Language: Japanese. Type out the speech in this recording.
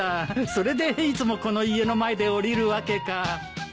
それでいつもこの家の前で降りるわけか。